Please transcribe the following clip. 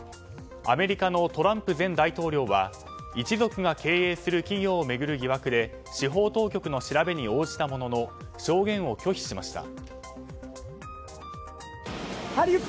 アメリカのトランプ前大統領は一族が経営する企業を巡る疑惑で司法当局の調べに応じたものの証言を拒否しました。